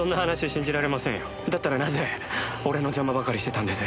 だったらなぜ俺の邪魔ばかりしてたんです？